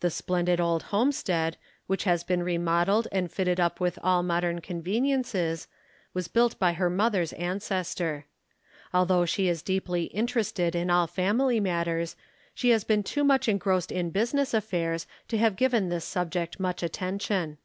The splendid old homestead, which has been remodeled and fitted up with all modern conveniences, was built by her mother's ancestor. Although she is deeply inter ested in all family matters, she has been too much en 96 THE KALLIKAK FAMILY grossed in business affairs to have given this subject much attention.